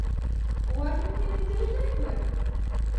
Улар бит мине тереләй һуя!